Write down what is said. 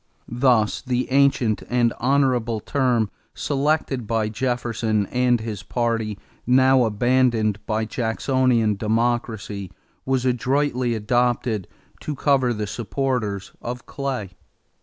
Thus the ancient and honorable term selected by Jefferson and his party, now abandoned by Jacksonian Democracy, was adroitly adopted to cover the supporters of Clay.